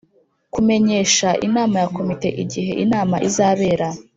Kumenyesha Inama ya komite igihe inama izabera